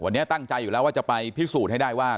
วันนี้ตั้งใจอยู่แล้วว่าจะไปพิสูจน์ให้ได้ว่า